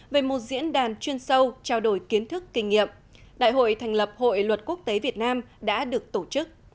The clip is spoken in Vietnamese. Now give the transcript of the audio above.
về một diễn đàn chuyên sâu trao đổi kiến thức kinh nghiệm đại hội thành lập hội luật quốc tế việt nam đã được tổ chức